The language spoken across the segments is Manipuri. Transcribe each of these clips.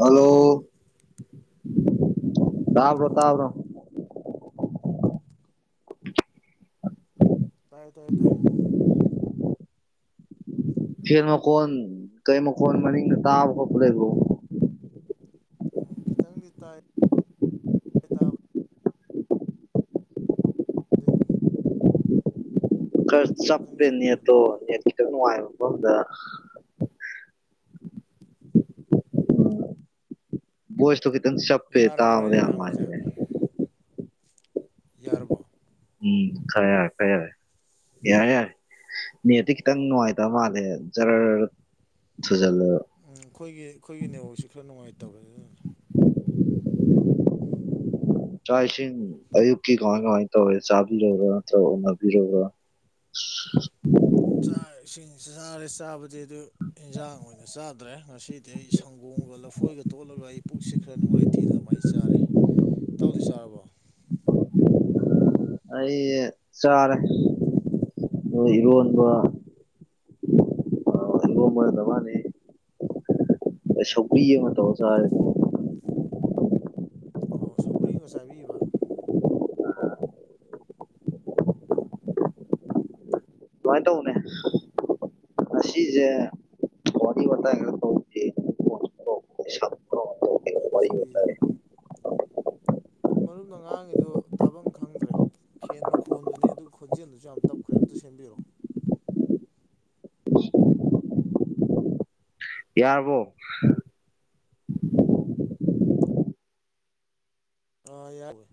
ꯍꯂꯣ ꯍꯜꯂꯣ ꯇꯥꯕ꯭ꯔꯣ ꯇꯥꯕ꯭ꯔꯣ ꯇꯥꯏ ꯇꯥꯏ ꯇꯥꯏ ꯐꯔ ꯃꯀꯣꯟ ꯀꯩ ꯃꯀꯣꯟ ꯃꯅꯤꯡꯒꯦ ꯇꯥꯕ ꯀꯄꯦꯒ ꯎꯝ ꯈꯤꯇꯪꯗꯤ ꯇꯥꯏ ꯑꯗ ꯈꯔ ꯁꯦꯝꯕꯤꯌꯨꯅꯦ ꯆꯞꯄꯦꯅꯦꯠꯇꯣ ꯈꯤꯇꯪ ꯅꯨꯡꯉꯥꯏꯕ ꯃꯐꯝꯗ ꯎꯝ ꯣꯁ ꯇꯀꯤ ꯇ ꯁꯞꯄꯦ ꯇ ꯌꯥꯔꯕ꯭ꯔꯥ ꯑꯩꯅ ꯃꯥꯦ ꯉꯥꯡꯕꯁꯦ ꯌꯥꯔꯕꯣ ꯎꯝ ꯈꯔꯔꯦ ꯈꯩꯔꯦ ꯌꯥꯔꯦ ꯌꯥꯔꯦ ꯅꯗꯤ ꯈꯤꯇꯪ ꯅꯨꯡꯉꯥꯏꯇꯕ ꯃꯥꯜꯂꯦꯔ ꯎꯝ ꯑꯩꯈꯣꯏꯒꯤ ꯑꯩꯈꯣꯏꯒꯤ ꯅꯦꯋꯣꯁꯤ ꯈꯔ ꯅꯨꯡꯉꯥꯏꯇꯕꯅꯤꯅ ꯂꯥꯛ ꯏꯁꯤꯡ ꯑꯌꯨꯛꯀꯤ ꯀꯃꯥꯏ ꯀꯃꯥꯏ ꯇꯧꯋ ꯆꯥꯕꯤꯨꯔ ꯅꯠꯇ꯭ꯔꯒ ꯎꯅꯕꯤꯔꯕ [unintelligible] ꯆꯥꯛ ꯏꯁꯤꯡ ꯆꯥꯔꯦ ꯆꯥꯕꯗꯤ ꯑꯗꯨ ꯏꯟꯖꯥꯡ ꯑꯣꯏꯅ ꯆꯥꯗ꯭ꯔꯦ ꯉꯁꯤꯗꯤ ꯑꯩ ꯁꯪꯒꯣ ꯀꯣꯡꯒ ꯂꯐꯣꯏꯒ ꯇꯣꯠꯂꯒ ꯑꯩ ꯄꯨꯛꯁ ꯈꯔ ꯅꯨꯡꯉꯥꯏꯇꯦꯅ ꯑꯗꯨꯃꯥꯏꯅ ꯆꯥꯔꯦ ꯇꯧꯗꯣꯏ ꯁꯥꯥꯔꯕꯣ ꯑꯩ ꯆꯥꯔꯦ꯫ ꯑꯣ ꯏꯔꯣꯟꯕ꯫ [inaudible] ꯁꯧꯒꯔꯤ ꯑꯃ ꯇꯧꯔ ꯆꯥꯔꯦ꯫ ꯑꯣ ꯁꯧꯒ꯭ꯔꯤꯒ ꯆꯥꯏꯕꯤꯕ꯫ ꯁꯨꯃꯥꯏꯅ ꯇꯧꯅꯦ ꯑꯁꯤꯁꯦ ꯋ [inaudible] [inaudible] ꯁꯧꯔꯤꯁꯤꯁꯨ꯫ ꯑꯗꯨ ꯃꯔꯨꯞꯅ ꯉꯥꯡꯉꯤꯗꯨ ꯇꯥꯐꯝ ꯈꯪꯗ꯭ꯔꯦ꯫ ꯐꯦꯟ ꯃꯈꯣꯟꯗꯨꯅꯦ ꯑꯗꯨ ꯈꯣꯟꯖꯦꯜꯗꯨꯁꯨ ꯌꯥꯝ ꯇꯞꯈ꯭ꯔꯦ ꯑꯝꯇ ꯁꯦꯝꯕꯤꯔꯣ꯫ ꯌꯥꯔꯔꯕꯣ꯫ ꯑꯥ ꯌꯥꯔꯦ꯫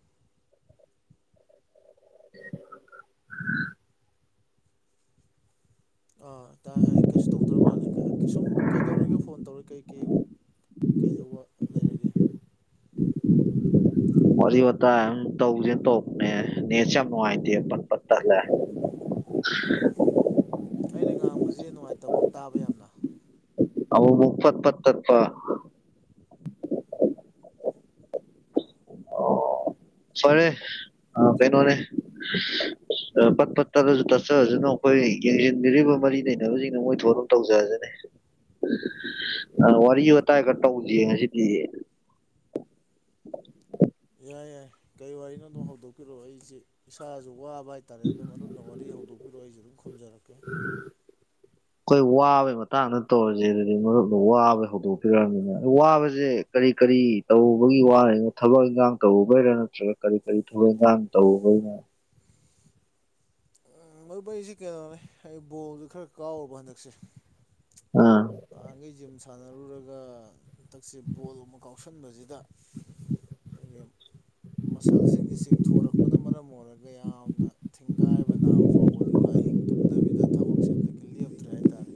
ꯑꯥ ꯇꯥ ꯑꯩ ꯀꯩꯁꯨ ꯇꯧꯗꯧ꯭ꯔ ꯃꯥꯜꯂꯦ ꯁꯨꯝ ꯀꯩꯗꯧꯔꯒꯦ ꯐꯣꯟ ꯇꯧꯔꯦ ꯀꯩ-ꯀꯩ ꯀꯩꯗꯧꯕ ꯂꯩꯔꯒꯦ꯫ ꯋꯥꯔꯤ ꯋꯥꯇꯥꯏ ꯑꯗꯨ ꯇꯧꯁꯦꯅ ꯇꯪꯔꯛꯅꯦ ꯅꯦꯠꯁꯦ ꯌꯥꯝ ꯅꯨꯡꯉꯥꯏꯇꯦ ꯄꯠ-ꯄꯠ ꯇꯠꯂꯦ꯫ [unintelligible] ꯑꯩꯅ ꯉꯥꯡꯕꯁꯦ ꯅꯨꯡꯉꯥꯏꯇꯕ꯭ꯔꫭ ꯇꯥꯕ ꯌꯥꯝꯅ꯫ ꯑꯃꯨꯛ ꯃꯨꯛ ꯄꯠ-ꯄꯠ ꯇꯠꯄ꯫ ꯐꯔꯦ ꯑ ꯀꯩꯅꯣꯅꯦ ꯑ ꯄꯠ-ꯄꯠ ꯇꯠꯂꯁꯨ ꯇꯠꯆꯔꯁꯅꯨ꯫ ꯑꯩꯈꯣꯏ ꯌꯦꯡꯁꯤꯟꯕꯤꯔꯤꯕ ꯃꯔꯤ ꯂꯩꯅꯕꯁꯤꯡꯅ ꯃꯣꯏ ꯊꫭꯛ ꯑꯗꯨꯝ ꯇꯧꯖꯔꯁꯅꯤ꯫ ꯑ ꯋꯥꯔꯤ ꯋꯥꯇꯥꯏꯒ ꯇꯧꯁꯤꯦ ꯉꯁꯤꯗꯤ꯫ ꯌꯥꯏ-ꯌꯥꯏ ꯀꯔꯤ ꯋꯥꯔꯤꯅꯣ ꯑꯗꯨꯝ ꯍꯧꯗꯣꯛꯄꯤꯔꯛꯑꯣ ꯑꯩꯁꯦ ꯏꯁꯥꯁꯨ ꯋꯥꯕ ꯍꯥꯏꯇꯥꯔꯦ ꯑꯗꯨꯝ ꯃꯔꯨꯞꯅ ꯋꯥꯔꯤ ꯍꯧꯗꯣꯛꯄꯤꯔꯛꯑꯣ ꯑꯩꯁꯨ ꯑꯗꯨꯝ ꯈꯨꯝꯖꯔꯛꯀꯦ꯫ [unintelligible] ꯑꯩꯈꯣꯏ ꯋꯥꯕꯩ ꯃꯇꯥꯡꯗ ꯇꯧꯔꯁꯦ ꯑꯗꯨꯗꯤ ꯃꯔꯨꯞꯅ ꯋꯥꯕꯩ ꯍꯧꯗꯣꯛꯄꯤꯔꯕꯅꯤꯅ ꯋꯥꯕꯁꯦ ꯀꯔꯤ ꯀꯥ ꯀꯔꯤ ꯇꯧꯕꯒꯤ ꯋꯥꯔꯤꯅꯣ ꯊꯕꯛ ꯏꯪꯈꯥꯡ ꯇꯧꯕꯩꯔꯥ ꯅꯠꯇ꯭ꯔꯒ ꯀꯔꯤ-ꯀꯔꯤ ꯊꯕꯛ ꯏꯪꯈꯥꯡ ꯇꯧꯕꯒꯤꯔꯥ꯫ [unintelligible] ꯃꯔꯨꯞ ꯑꯩꯁꯦ ꯀꯩꯅꯣꯅꯦ ꯑꯩ ꯕꯣꯜꯗꯨ ꯈꯔ ꯀꯥꯎꯔꯨꯕ ꯍꯟꯗꯛꯁꯦ꯫ ꯑꯥ ꯅꯍꯥꯟꯒꯩ ꯖꯤꯝ ꯁꯥꯟꯅꯔꯨꯔꯒ ꯍꯟꯗꯛꯁꯦ ꯕꯣꯜ ꯑꯃ ꯀꯥꯎꯁꯟꯕꯁꯤꯗ ꯑꯩꯈꯣꯏꯒꯤ ꯃꯁꯜꯁꯤꯡꯁꯤ ꯆꯤꯡꯊꯣꯔꯛꯄꯅ ꯃꯔꯝ ꯑꯣꯏꯔꯒ ꯌꯥꯝꯅ ꯊꯤꯡ ꯒꯥꯏꯕ ꯅꯥꯕ ꯐꯥꯎꯕ ꯑꯗꯨꯒ ꯑꯍꯤꯡ ꯇꯨꯝꯗꯕꯤꯗ ꯊꯕꯛꯁꯦ ꯑꯝꯇꯛꯀꯤ ꯂꯦꯞꯇ꯭ꯔꯦ ꯍꯥꯏꯇꯥꯔꯦ꯫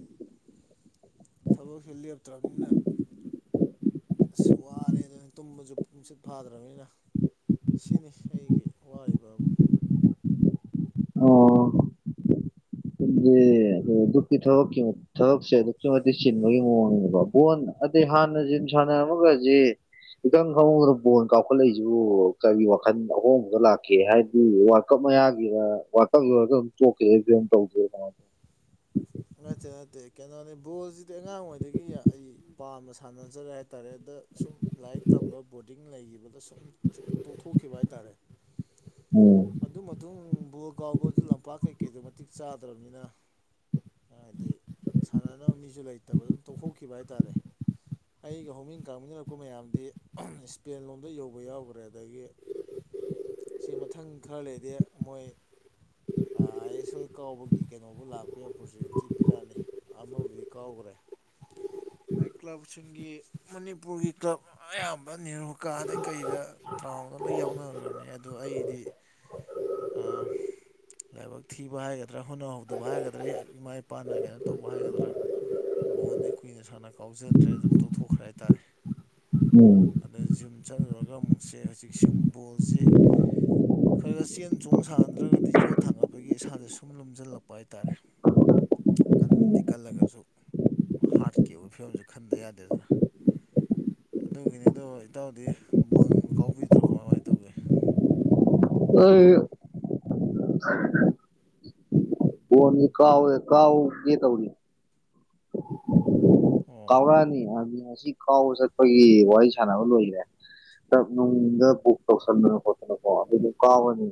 ꯊꯕꯛꯁꯦ ꯂꯦꯞꯇ꯭ꯔꯕꯅꯤꯅ ꯑꯁ ꯋꯥꯔꯦ ꯑꯗꯨꯅ ꯇꯨꯝꯕꯁꯨ ꯇꯨꯝꯁꯤꯠ ꯐꯥꯗ꯭ꯔꯕꯅꯤꯅ꯫ ꯁꯤꯅꯤ ꯑꯩꯒꯤ ꯋꯥꯔꯤꯕ ꯑꯃ꯫ ꯗꯨꯀꯤ ꯊꯕꯛꯀꯤ ꯊꯕꯛꯁꯦ ꯑꯗꯨꯛꯀꯤ ꯃꯇꯤꯛ ꯆꯤꯟꯕꯒꯤ ꯃꫭꯡꯅꯤꯅꯦꯀꫭ ꯕꫭꯟ ꯑꯗꯨ ꯗꯤ ꯍꯥꯟꯅ ꯖꯤꯝ ꯁꯥꯟꯅꯔꯝꯃꯒꯁꯤ ꯏꯇꯪ ꯈꯪꯍꯧ ꯕꯣꯜ ꯀꯥꯎꯈꯠꯂꯛꯏꯁꯤꯕꯨ ꯀꯔꯤ ꯋꯥꯈꯜ ꯑꯍꯣꯡꯕꯗ ꯂꯥꯛꯀꯦ ꯍꯥꯏꯕꯗꯤ ꯋꯥꯔꯜ ꯀꯞ ꯃꯌꯥꯒꯤꯔ ꯋꯥꯔꯜ ꯀꯞ ꯂꫭꯏꯔꯒ ꯑꯗꯨꯝ ꯇꯣꯛꯦ ꯇꯧꯃ ꯅꯠꯇꯦ-ꯅꯠꯇꯦ ꯀꯩꯅꯣꯅꯤ ꯕꯣꯜꯁꯤꯗꯤ ꯑꯉꯥꯡꯋꯩꯗꯒꯤ ꯑꯩ ꯄꯥꯝꯅ ꯁꯥꯟꯅꯖꯔꯦ ꯍꯥꯏꯇꯥꯔꯦ ꯑꯗ ꯁꯨꯝ ꯂꯥꯏꯔꯤꯛ ꯇꯝꯕ ꯕꯣꯔꯗꯤꯡ ꯂꯩꯒꯤꯕꯗ ꯁꯨꯝ ꯁꯨꯝ ꯇꯣꯛꯊꯣꯛꯈꯤꯕ ꯍꯥꯏꯇꯥꯥꯔꯦ꯫ ꯎꯝ ꯑꯗꯨ ꯃꯇꯨꯡ ꯕꯣꯔꯒꯥꯎꯕ ꯂꯝꯄꯥꯛ ꯀꯩꯀꯩꯗꯨ ꯃꯇꯤꯛ ꯆꯥꯗ꯭ꯔꯕꯅꯤꯅ ꯍꯥꯏꯗꯤ ꯁꯥꯟꯅꯅꯕ ꯃꯤꯁꯨ ꯂꯩꯇꯕ ꯑꯗꯨꯝ ꯇꯣꯛꯊꯣꯛꯈꯤꯕ ꯍꯥꯏꯇꯥꯔꯦ꯫ ꯑꯩꯒ ꯍꯧꯃꯤꯟ ꯀꯥꯃꯤꯟꯅꯔꯛꯄ ꯃꯌꯥꯝꯗꯤ ꯁ꯭ꯄꯦꯟ ꯂꯣꯝꯗ ꯌꯧꯕ ꯌꯥꯎꯒ꯭ꯔꯦ ꯑꯗꯒꯤ [unintelligible] ꯁꯤ ꯃꯊꯪ ꯈꯔ ꯂꯩꯗꯦ ꯃꯣꯏ ꯑ ꯑꯩ ꯁꯣꯏ ꯀꯥꯎꯕꯒꯤ ꯀꯩꯅꯣꯕꯨ ꯂꯥꯛꯄ ꯌ ꯑꯣꯄꯣꯔꯆꯨꯅꯤ ꯇꯤ ꯄꯤꯔꯥꯛꯑꯅꯤ ꯑꯃꯕꯨꯗꯤ ꯀꯥꯎꯒ꯭ꯔꯦ꯫ ꯑꯩ ꯀ꯭ꯂꯕꯁꯤꯡꯒꯤ ꯃꯅꯤꯄꯨꯔꯒꯤ ꯀ꯭ꯂꯕ ꯑꯌꯥꯝꯕ ꯅꯤꯔꯨꯀꯥꯗ ꯀꯩꯗ ꯔꯥꯎꯗ ꯂꫭꯏ ꯌꯥꯎꯅꯒ꯭ꯔꯕꯅꯦ ꯑꯗꯣ ꯑꯩꯗꯤ ꯍ ꯑꯥ ꯂꯥꯏꯕꯛ ꯊꯤꯕ ꯍꯥꯏꯒꯗ꯭ꯔꯥ ꯍꯣꯠꯅꯍꯧꯗꯕ ꯍꯥꯏꯒꯗ꯭ꯔꯥ ꯏꯃꯥ ꯏꯄꯥꯅ ꯀꯩꯅꯣ ꯇꯧꯕ ꯍꯥꯏꯒꯗ꯭ꯔꯥ ꯕꯣꯟꯗꯤꯦ ꯀꯨꯏꯅ ꯁꯥꯟꯅ ꯀꯥꯎꯖꯗ꯭ꯔꯦ ꯑꯗꯨꯝ ꯇꯧꯊꯣꯛꯈ꯭ꯔꯦ ꯍꯥꯏꯇꯥꯔꯦ ꯎꯝ ꯑꯗ ꯖꯤꯨꯝ ꯆꯠꯂꯨꯔꯒ ꯈ ꯑꯃꯨꯛꯁꯦ ꯍꯧꯖꯤꯛ ꯁꯨꯝꯕꯣꯜꯁꯦ ꯈꯔ ꯈꯔ ꯆꯦꯟ ꯆꯣꯡ ꯁꯥꯗ꯭ꯔꯒꯗꯤ ꯌꯣꯠ ꯊꯥꯡꯒꯠꯄꯒꯤ ꯏꯁꯥꯥꯁꯦ ꯁꯨꯝ ꯂꯨꯝꯝꯁꯤꯜꯂꯛꯄ ꯍꯥꯏꯇꯥꯔꯦ ꯀꯟꯕꯗꯤ ꯀꯜꯂꯒꯁꯨ ꯍꯥꯔꯠꯀꯤ ꯑꯣꯏꯕ ꯐꯤꯕꯝꯁ ꯈꯟꯗ ꯌꯥꯗꯦꯗꯅꯥ ꯑꯗꯨꯒꯤꯅꯤ ꯑꯗꯣ ꯏꯇꯥꯎꯗꯤ ꯕꯣꯟ ꯀꯥꯎꯕꯤꯗ꯭ꯔꯣ ꯀꯃꯥꯏꯃꯥꯏꯅ ꯇꯧꯒꯦ ꯑ ꯐ ꯀꯥꯎ ꯀꯥꯎ ꯌꯦꯦ ꯇꯧ ꯑꯣ ꯀꯥꯎꯔꯛꯑꯅꯤ ꯍꯥꯏ ꯉ ꯑꯁꯤ ꯀꯥꯎꯕ ꯆꯠꯄꯒꯤ ꯋꯥꯔꯤ ꯁꯥꯟꯅꯕ ꯂꯣꯏꯔꯦ ꯄꯨ ꯇꯧꯁꯟꯅ ꯄꯠꯇꯅ ꯑꯗꯨ ꯀꯥꯅꯤ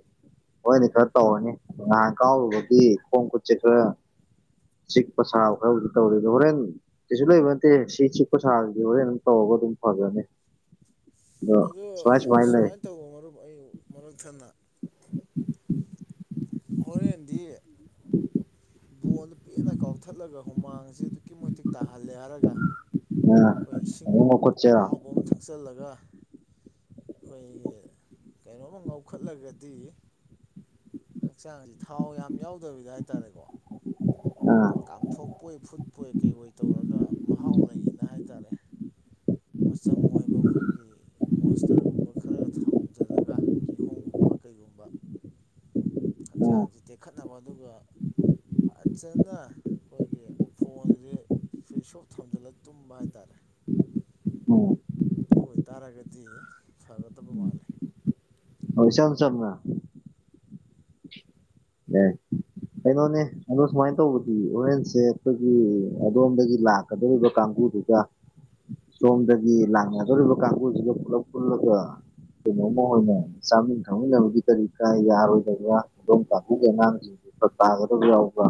ꯍꯣꯏꯗꯤ ꯈꯔ ꯇꯧꯔꯅꯤ ꯉꯍꯥꯟ ꯀꯥꯎꯔꯨꯕꯒꯤ ꯈꯣꯡ ꯈꯨꯠꯁꯦ ꯈꯔ ꯁꯤꯛꯄ ꯁꯔ ꯇꯧꯔꯤꯗ ꯍꯣꯔꯦꯟ ꯁꯤꯁꯨ ꯂꯩꯕ ꯅꯠꯇꯦ ꯁꯤ ꯆꯤꯛꯄ ꯁꯥꯗꯤ ꯍꯣꯔꯦꯟ ꯇꯧꯔꯒ ꯑꯗꯨꯝ ꯐꯖꯅꯤ [inaudible] ꯑ ꯁꯨꯃꯥꯏꯅ ꯇꯧꯕ ꯃꯔꯨꯞ ꯑꯩ ꯃꯔꯛ ꯊꯟꯅ ꯍꯔꯦꯟꯦꯟꯗꯤ ꯕꯣꯟꯗꯨ ꯄꯦꯟꯅ ꯀꯥꯎꯊꯠꯂꯒ ꯍꯨꯃꯥꯡꯁꯤꯦ ꯑꯗꯨꯛꯀꯤ ꯃꯇꯤꯛ ꯇꯥꯍꯜꯂꯦ ꯍꯥꯏꯔꯒ ꯑ ꯑꯩꯈꯣꯏ ꯏꯁꯤꯡ ꯑꯃꯨꯛ ꯃꯈꯨꯠꯁꯦ ꯑ ꯑꯍꯥꯎꯕ ꯑꯃ ꯊꯛꯆꯤꯜꯂꯒ ꯑꯩꯈꯣꯏꯒꯤ ꯀꯩꯅꯣꯝꯃ ꯉꯧꯈꯠꯂꯒꯗꯤ ꯍꯛꯆꯥꯡ ꯑꯁꯤ ꯊꯥꯎ ꯌꯥꯝ ꯌꯥꯎꯗꯕꯤꯗ ꯍꯥꯏꯇꯥꯔꯦꯀꯣ ꯀꯥꯝꯊꯣꯛꯄꯣꯏ ꯐꯨꯠꯄꯣꯏ ꯀꯩꯄꯣꯏ ꯇꯧꯔꯒ ꯃꯍꯥꯎ ꯂꯩꯏꯅ ꯍꯥꯏ ꯇꯔꯦ ꯃꯆꯪ ꯑꯣꯏꯕ ꯑꯩꯈꯣꯏꯒꯤ ꯃꯣꯁꯇꯔꯒꯨꯝꯕ ꯈꯔ ꯊꯝꯖꯤꯜꯂꯒ ꯀꯤꯍꯣꯝꯒꯨꯝꯕ ꯨꯝꯕ ꯀꯩꯒꯨꯝꯕ [unintelligible] ꯎꯝ ꯍꯛꯆꯥꯡꯁ ꯇꯦꯛꯈꯠꯅꯕ ꯑꯗꯨꯒ ꯐꯖꯅ ꯑꯩꯈꯣꯏꯒꯤ ꯐꯣꯟꯁꯦ ꯁ꯭ꯋꯤꯤꯁ ꯑꯣꯐ ꯊꯝꯖꯤꯜꯂꯒ ꯇꯨꯝꯕ ꯍꯥꯏꯇꯥꯔꯦ ꯑꯣ ꯑꯗꯨ ꯑꯣꯏꯇꯥꯔꯒꯗꯤ ꯐꯒꯗꯕ ꯃꯥꯂꯦ ꯍꯁꯝꯁꯝꯅ ꯎ ꯀꯩꯅꯣꯅꯦ ꯑꯗꯣ ꯁꯨꯃꯥꯏꯅ ꯇꯧꯕꯗꯤ ꯑꯣꯔꯦꯟꯁꯁꯦ ꯑꯩꯈꯣꯏꯒꯤ ꯑꯗꯣꯝꯗꯒꯤ ꯂꯥꯛꯀꯗꯧꯔꯤꯕ ꯀꯥꯡꯕꯨ ꯀꯥꯡꯗꯨꯒ ꯁꯣꯝꯗꯒꯤ ꯂꯥꯡꯒꯗꯧꯔꯤꯕ ꯀꯥꯡꯕꯨꯁꯤꯒ ꯄꯨꯂꯞ ꯄꯨꯜꯂꯒ ꯀꯩꯅꯣꯝꯃꯣꯏ ꯑꯣꯏꯅ ꯆꯥꯃꯤꯟ ꯊꯛꯃꯤꯟꯅꯕꯒꯤ ꯀꯔꯤ ꯀꯥ ꯌꯥꯔꯣꯏꯗꯕ꯭ꯔꯥ ꯈꯨꯗꯣꯝ ꯑꯗꯨꯒꯤ ꯑꯉꯥꯡꯁꯤꯡꯁ ꯇꯥꯒꯗꯕ ꯌꯥꯎꯕ꯭ꯔꯥ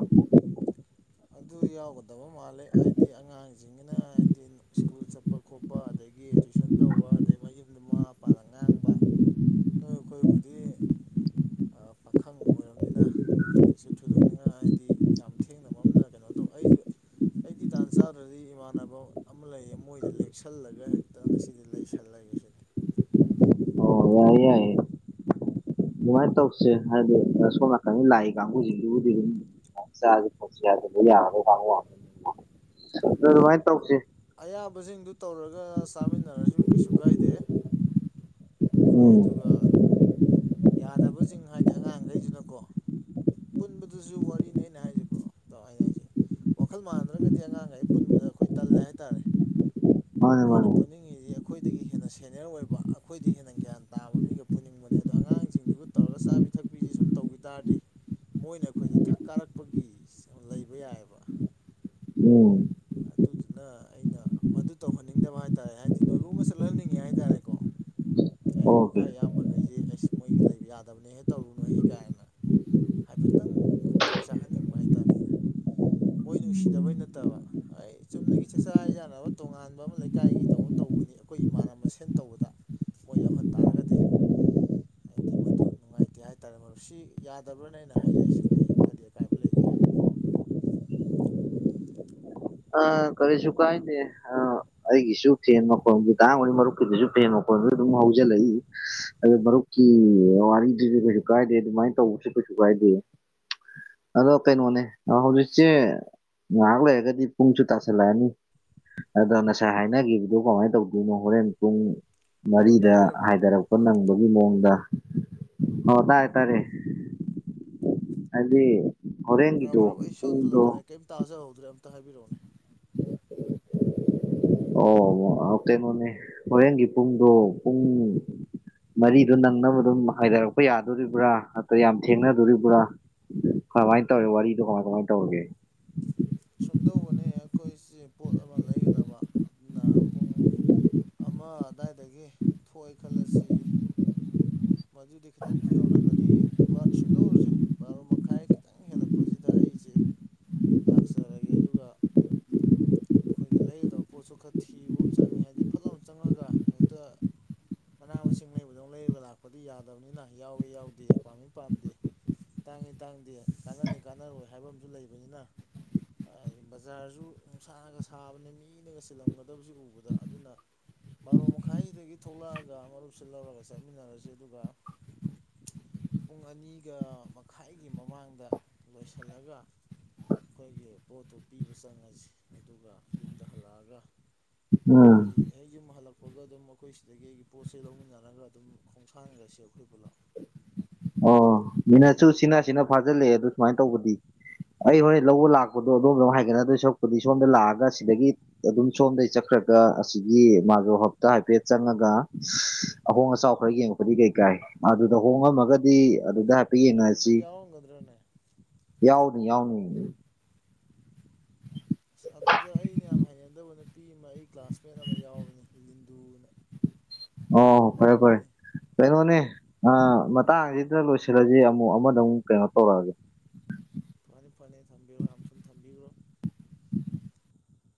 ꯑꯗꯨ ꯌꯥꯎꯒꯗꯕ ꯃꯥꯜꯂꯦ ꯍꯥꯏꯗꯤ ꯑꯉꯥꯡꯁꯤꯡꯅ ꯍꯥꯏꯗꯤ ꯁ꯭ꯀꯨꯜ ꯆꯠꯄ ꯈꯣꯠꯄ ꯑꯗꯒꯤ ꯇꯨꯏꯁꯟ ꯇꯧꯕ ꯑꯗꯩ ꯃꯌꯨꯝꯗ ꯃꯃꯥ ꯃꯄꯥꯅ ꯉꯥꯡꯕ ꯅꯣꯏ ꯑꯩꯈꯣꯏꯒꯗꯤ ꯄꯥꯈꯪ ꯑꯣꯏꯔꯕꯅꯤꯅ ꯀꯩꯁꯨ ꯊꯣꯏꯗꯣꯛꯅꯤꯡꯉꯥꯏ ꯍꯥꯏꯗꯤ ꯌꯥꯝ ꯊꯦꯡꯅ ꯃꯝꯅ ꯀꯩꯅꯣ ꯇꯧ ꯑꯩꯁꯨ ꯑꯩꯗꯤ ꯇꯥꯟ ꯆꯥꯗ꯭ꯔꯗꯤ ꯏꯃꯥꯟꯅꯕ ꯑꯃ ꯂꯩꯌꯦ ꯃꯣꯏꯁꯦ ꯂꯦꯛꯁꯜꯂꯒ ꯍꯦꯛ ꯑ ꯉꯁꯤꯗꯤ ꯂꯩꯁꯜꯂꯒꯦꯁꯤꯗꯤ ꯑꯣ ꯌꯥꯏꯌꯦ ꯌꯥꯏꯌꯦ ꯑꯗꯨꯃꯥꯏꯅ ꯇꯧꯁꯦ ꯍꯥꯏꯗꯤ ꯁꯣꯝ ꯅꯥꯀꯟꯅꯤ ꯂꯥꯛꯏ ꯀꯥꯡꯕꯨꯁꯤꯡꯁꯤꯕꯨꯗꯤ ꯑꯗꯨꯝ ꯁ ꯑ ꯑꯗꯨ ꯑꯗꯣ ꯃꯥꯏ ꯇꯧꯣꯛꯁꯤ ꯑꯌꯥꯕꯁꯤꯡꯗꯨ ꯇꯧꯔꯒ ꯆꯥꯃꯤꯟꯅꯔꯁꯨ ꯀꯩꯁꯨ ꯀꯥꯏꯗꯦ ꯑꯩꯣꯏ ꯎꯝ ꯑꯗꯨꯒ ꯌꯥꯗꯕꯁꯤꯡ ꯍꯥꯏꯗꯤ ꯑꯉꯥꯡꯈꯩꯁꯤꯅꯀꯣ ꯄꯨꯟꯕꯗꯨꯁꯨ ꯋꯥꯔꯤꯅꯦ ꯑꯩꯅ ꯍꯥꯏꯁꯤꯀꯣ ꯇ ꯍꯥꯏꯁꯦ ꯋꯥꯈꯜ ꯃꯥꯟꯗ꯭ꯔꯒꯗꯤ ꯑꯉꯥꯡꯈꯩ ꯄꯨꯟꯕꯗ ꯑꯩꯈꯣꯏ ꯇꯜꯂꯦ ꯍꯥꯏꯇꯥꯔꯦ ꯃꯥꯅꯦ ꯑꯩꯈꯣꯏꯅ ꯃꯥꯅꯦ ꯄꯨꯅꯤꯡꯉꯤꯁꯤ ꯑꯩꯈꯣꯏꯗꯒꯤ ꯍꯦꯟꯅ ꯁꯦꯅꯤꯌꯔ ꯑꯣꯏꯕ ꯑꯩꯈꯣꯏ ꯗꯤ ꯍꯦꯟꯅ ꯒ꯭ꯌꯥꯟ ꯇꯥꯕ ꯃꯤꯒ ꯄꯨꯅꯤꯡꯕꯅꯦ ꯑꯗꯣ ꯑꯉꯥꯡꯁꯤꯡꯗꯨꯒ ꯇꯧꯔꯒ ꯆꯥꯕꯤ ꯊꯛꯄꯤꯁꯦ ꯁꯨꯝ ꯇꯧꯈꯤ ꯇꯥꯔꯗꯤ ꯃꯣꯏꯅ ꯑꯩꯈꯣꯏꯗ ꯊꯛ ꯀꯥꯔꯛꯄꯒꯤ ꯂꯩꯕ ꯌꯥꯏꯑꯕ ꯑꯣ ꯑꯗꯨꯗꯨꯅ ꯑꯩꯅ ꯃꯗꯨ ꯇꯧꯍꯟꯅꯤꯡꯗꯕ ꯍꯥꯏ ꯇꯔꯦ ꯍꯥꯏꯗꯤ ꯅꯣꯂꯨꯃ ꯆꯠꯍꯟꯅꯤꯡꯉꯦ ꯍꯥꯏ ꯇꯔꯦꯀꯣ ꯑꯦ ꯑꯣꯀꯦ ꯏꯥꯏ ꯏꯌꯥꯝꯕꯈꯩꯁꯦ ꯑꯁ ꯃꯣꯏꯒꯤ ꯂꯩꯕ ꯌꯥꯗꯕꯅꯦ ꯍꯦꯛ ꯇꯧꯔꯨꯅꯨꯍꯦꯛ ꯀꯥꯏꯅ ꯍꯥꯏꯐꯦꯠꯇꯪ ꯈꯨꯇꯛ ꯆꯥꯍꯟꯅꯤꯡꯕ ꯍꯥꯏꯇꯥꯥꯔꯦ ꯑꯩꯅ ꯃꯣꯏ ꯅꯨꯡꯁꯤꯗꯕꯩ ꯎꯝ ꯅꯠꯇꯕ ꯑꯩ ꯆꯨꯝꯅꯒꯤ ꯆꯥꯛꯆꯥ ꯍꯖꯥꯟꯅꯕ ꯇꯣꯉꯥꯟꯕ ꯑꯃ ꯂꯩꯀꯥꯏꯒꯤ ꯇꯧꯕ ꯇꯧꯕꯅꯤ ꯑꯩꯈꯣꯏꯒꯤ ꯃꯅꯕ ꯃꯁꯦꯟ ꯇꯧꯕꯗ ꯃꯣꯏ ꯌꯥꯎꯍꯟ ꯇꯥꯔꯒꯗꯤ ꯍꯥꯏꯗꯤ [unintelligible] ꯃꯗꯨ ꯅꯨꯡꯉꯥꯏꯇꯦ ꯍꯥꯏꯇꯥꯔꯦ ꯃꯔ ꯁꯤ ꯌꯥꯗꯕ꯭ꯔꯅ ꯑꯩꯅ ꯍꯥꯏꯖꯔꯤꯁꯦ ꯀꯩ ꯀꯔꯤ ꯑꯀꯥꯏꯕ ꯂꯩꯒꯦ [unintelligible] ꯑ ꯀꯔꯤꯁꯨ ꯀꯥꯏꯗꯦ ꯑ ꯑꯩꯒꯤꯁꯨ ꯐꯦꯟ ꯃꯈꯣ ꯇꯥꯡ ꯃꯔꯨꯞꯀꯤꯗꯁꯨ ꯐꯦꯟ ꯃꯈꯣ ꯑꯗꯨ ꯍꯧꯜꯂꯛꯏ ꯑ ꯃꯔꯨꯞꯀꯤ ꯋꯥꯔꯤꯗꯨꯁꯨ ꯀꯩꯁꯨ ꯀꯥꯏꯗꯦ ꯑꯗꯨꯃꯥꯏꯅ ꯇꯧꯕꯁꯨ ꯀꯩ ꯀꯥꯏꯗꯦ ꯑꯗꯣ ꯀꯩꯅꯣꯅꯦ ꯍꯧꯖꯤꯛꯁꯦ ꯉꯥꯏꯍꯥꯛ ꯂꯩꯔꯒꯗꯤ ꯄꯨꯡꯁꯨ ꯇꯥꯁꯜꯂꯛꯑꯅꯤ ꯑꯗꯣ ꯉꯁꯥꯏ ꯍꯥꯏꯅꯈꯤꯕꯗꯣ ꯀꯃꯥꯏꯅ ꯇꯧꯗꯣꯏꯅꯣ ꯍꯣꯔꯦꯟ ꯄꯨꯡ ꯑꯃꯨꯛ ꯃꯔꯤꯗ ꯇꯥꯕꯤꯔꯕ꯭ꯔꯥ ꯍꯥꯏꯊꯔꯛꯄ ꯅꯪꯕ ꯑꯗꯨ ꯃꯑꯣꯡꯗ ꯑꯣ ꯇꯥꯔꯦ ꯇꯥꯔꯦ ꯍꯥꯏꯗꯤ ꯑꯩ ꯍꯣꯔꯦꯟꯒꯤꯗꯣ ꯃꯔꯨꯞ ꯑꯩ ꯏꯁꯣꯟꯗ ꯄꯨꯡꯗꯣ ꯊꯂꯛꯀ꯭ꯔꯦ ꯀꯔꯤꯝꯇ ꯇꯖꯍꯗ꯭ꯔꯦ ꯑꯃꯝꯇ ꯍꯥꯏꯕꯤꯔꯛꯎ [inaudible] ꯑꯣ ꯀꯩꯅꯣꯅꯦ ꯍꯣꯔꯦꯟꯒꯤ ꯄꯨꯡꯗꯣ ꯄꯨꯡ ꯃꯔꯤꯗꯨ ꯅꯪꯅꯕ ꯑꯗꯨꯝ ꯍꯥꯏꯊꯔꯛꯄ ꯌꯥꯗꯣꯔꯤꯕ꯭ꯔꯥ ꯅꯠꯇ꯭ꯔ ꯌꯥꯝ ꯊꯦꯡꯅꯗꯣꯔꯤꯕ꯭ꯔꯥ ꯀꯃꯥꯏꯅ ꯇꯧꯔꯤ ꯋꯥꯔꯤꯗꯣ ꯀꯃꯥꯏ ꯀꯃꯥꯏ ꯇꯧꯔꯒꯦ ꯁꯨꯝꯗꯧꯕꯅꯤ ꯑꯩꯈꯣꯏꯁꯦ ꯄꯣꯠ ꯑꯃ ꯂꯩꯒꯗꯕ ꯑꯗꯨꯅ ꯄꯨꯡ ꯑꯃ ꯑꯗꯨꯗꯥꯋꯥꯏꯗꯒꯤ ꯊꯣꯛꯑꯦ ꯈꯜꯂꯁꯤ ꯃꯗꯨꯨꯗꯤ ꯈꯤꯇꯪ ꯈꯨꯌꯧꯅꯒꯅꯤ ꯁꯨꯝꯗꯧꯎꯔꯁꯦ ꯕꯥꯔꯣ ꯃꯈꯥꯏ ꯈꯤꯇꯪ ꯍꯦꯜꯂꯛꯄꯁꯤꯗ ꯑꯩꯁꯦ ꯂ ꯇꯥꯛꯆꯔꯒꯦ ꯑꯗꯨꯒ ꯑꯩꯈꯣꯏꯒꯤ ꯂꯩꯒꯗꯕ ꯄꯣꯠꯁꯨ ꯈꯔ ꯊꯤꯕ ꯑꯃ ꯆꯪꯉꯦ ꯍꯥꯏꯕꯗꯤ ꯐꯠ ꯑꯃ ꯆꯪꯉꯒ ꯍꯦꯛꯇ ꯃꯅꯥ ꯃꯁꯤꯡ ꯂꯩꯕꯗꯧꯅ ꯂꯩꯔꯒ ꯂꯥꯛꯄꯗꯤ ꯌꯥꯗꯕꯅꯤꯅ ꯌꯥꯎꯋ ꯌꯥꯎꯗꯦ ꯄꯥꯝꯃꯤ ꯄꯥꯝꯗꯦ ꯇꯥꯡꯏ ꯇꯥꯡꯗꯦ ꯀꯥꯟꯅꯅꯤ ꯀꯥꯟꯅꯔꯣꯏ ꯍꯥꯏꯕ ꯑꯃꯁꯝꯨ ꯂꯩꯕꯅꯤꯅ [inaudible] ꯕꯖꯥꯔꯁꯨ ꯅꯨꯡꯁꯥꯅꯒ ꯁꯥꯕꯅ ꯃꯤꯅꯒ ꯆꯜꯂꯝꯒꯗꯕꯕꯁꯤ ꯎꯕꯗ ꯑꯗꯨꯅ ꯕꯥꯔꯣ ꯃꯈꯥꯏꯗꯒꯤ ꯊꯣꯛꯂꯛꯑꯒ ꯃꯔꯨꯞꯁꯤ ꯂꯧꯔꯒ ꯆꯠꯃꯤꯟꯅꯔꯁꯤ ꯑꯗꯨꯒ ꯄꯨꯡ ꯑꯅꯤꯒ ꯃꯈꯥꯏꯒꯤ ꯃꯃꯥꯡꯗ ꯂꯣꯏꯁꯤꯜꯂꯒ ꯑꯩꯈꯣꯏꯒꯤ ꯄꯣꯠꯇꯨ ꯄꯤꯕ ꯆꯪꯉꯁꯤ ꯑꯗꯨꯒ ꯌꯨꯝꯗ ꯍꯜꯂꯛꯑꯒ [unintelligible] ꯎꯝ ꯑꯩ ꯌꯨꯝꯂ ꯊꯣꯛꯄꯒ ꯑꯗꯨꯝ ꯑꯩꯈꯣꯏ ꯁꯤꯗꯒꯤ ꯑꯩꯒꯤ ꯄꯣꯠꯁꯦ ꯂꯧꯃꯤꯟꯅꯔꯒ ꯑꯗꯨꯝ ꯈꯣꯡꯁꯥꯟꯈꯔꯁꯤ ꯑꯩꯈꯣꯏ ꯄꯨꯂꯞ ꯑꯣ ꯃꯤꯅꯁꯨ ꯁꯤꯅ ꯁꯤꯅ ꯐꯥꯖꯤꯜꯂꯛꯑꯦ ꯑꯗꯨ ꯁꯨꯃꯥꯏꯅ ꯇꯧꯕꯗꯤ ꯑꯩ ꯍꯣꯔ ꯂꯧꯕ ꯂꯥꯛꯄꯗꯣ ꯑꯗꯣꯝꯗ ꯍꯥꯏꯒꯠꯅꯗꯣꯏ ꯁꯛꯄꯗꯤ ꯁꯣꯝꯗ ꯂꯥꯛꯑꯒ ꯁꯤꯗꯒꯤ ꯑꯗꯨꯝ ꯁꯣꯝꯗꯒꯤ ꯆꯠꯈ꯭ꯔꯦ ꯒ ꯑꯁꯤꯒꯤ ꯃꯥꯒꯤ ꯍꯞꯇꯥ ꯍꯥꯏꯐꯦꯠ ꯆꯪꯉꯒ ꯑꯍꯣꯡ ꯑꯆꯥꯎ ꯈꯔ ꯌꯦꯡꯉꯛꯄꯗꯤ ꯀꯩꯀꯥꯏ ꯑꯗꯨꯗ ꯍꯣꯡꯉꯝꯃꯒꯗꯤ ꯑꯗꯨꯗ ꯍꯥꯏꯐꯦꯠ ꯃꯗꯨꯗ ꯌꯦꯡꯅꯔꯁꯤ ꯌꯥꯎꯒꯗ꯭ꯔꯅꯦ ꯌꯥꯎꯅꯤ ꯌꯥꯎꯅꯤ [inaudible] ꯑꯁ ꯑꯗꯨꯗ ꯑꯩꯅ ꯌꯥꯝ ꯍꯩꯅꯗꯕ ꯅꯨꯄꯤ ꯑꯃ ꯑꯩ ꯀ꯭ꯂꯥꯁꯃꯦꯠ ꯑꯃ ꯌꯥꯎꯕꯅꯦ ꯂꯤꯟꯗꯨꯅ ꯑꯣ ꯐꯔꯦ ꯐꯔ ꯇꯜꯂꯤꯅꯦ ꯀꯩꯅꯣꯅꯦ ꯑ ꯃꯇꯥꯡꯁꯤꯗ ꯂꯣꯏꯁꯤꯜꯂꯁꯤ ꯑꯃꯨꯛ ꯑꯃꯗ ꯑꯃꯨꯛ ꯀꯩꯅꯣ ꯇꯧꯔꯛꯑꯒꯦ ꯐꯅꯤ ꯐꯅꯤ ꯊꯝꯕꯤꯔꯣ ꯌꯥꯝ ꯊꯨꯅ ꯊꯝꯕꯤꯈ꯭ꯔꯣ